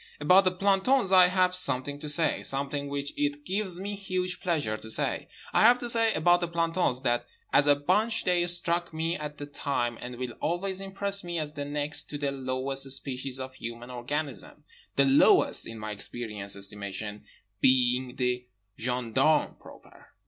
About the plantons I have something to say, something which it gives me huge pleasure to say. I have to say, about the plantons, that as a bunch they struck me at the time and will always impress me as the next to the lowest species of human organism; the lowest, in my experienced estimation, being the gendarme proper.